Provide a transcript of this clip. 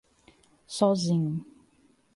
Sozinho